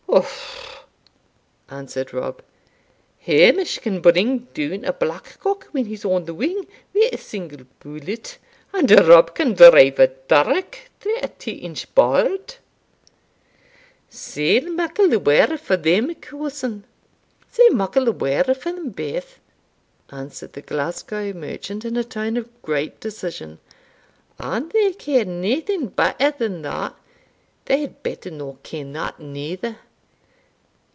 "Umph!" answered Rob; "Hamish can bring doun a black cock when he's on the wing wi' a single bullet, and Rob can drive a dirk through a twa inch board." "Sae muckle the waur for them, cousin! sae muckle the waur for them baith!" answered the Glasgow merchant in a tone of great decision; "an they ken naething better than that, they had better no ken that neither.